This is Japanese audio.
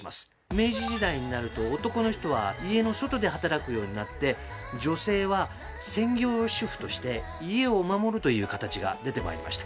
明治時代になると男の人は家の外で働くようになって女性は専業主婦として家を守るという形が出てまいりました。